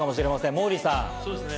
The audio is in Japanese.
モーリーさん。